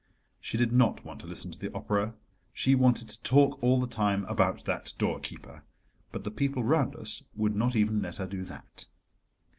She did not want to listen to the opera, she wanted to talk all the time about that doorkeeper, but the people round us would not even let her do that.